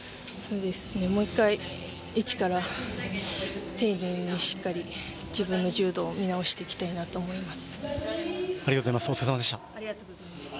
もう一回、一から丁寧にしっかり自分の柔道を見直していきたいなと思います。